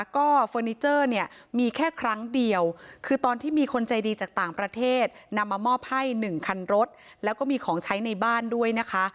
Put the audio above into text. ก็เฟอร์นิเจอร์เนี่ยมีแค่ครั้งเดียวคือตอนที่มีคนใจดีจากต่างประเทศนำมามอบให้๑คันรถแล้วก็มีของใช้ในบ้านด้วยนะคะ